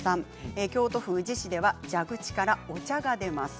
京都府宇治市では蛇口からお茶が出ます。